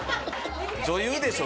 女優でしょ